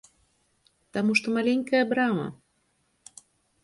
Таму што маленькая брама!